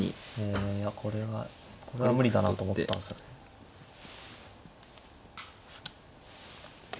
えいやこれはこれは無理だなと思ったんですよね。